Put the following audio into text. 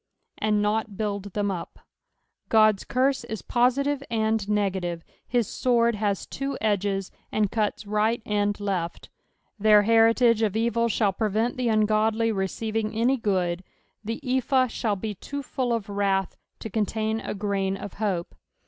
" And not baild them up." Ood's curse is positive and negative ; his sword has two edges, and cuts right and left. Their heritsge of evil shall prevent the ungodly receiving any good ; the ephah shall be too full of wrath to contain a grain of hope.